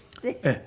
ええ。